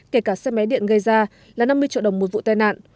kể cả xe máy điện gây ra là năm mươi triệu đồng một vụ tai nạn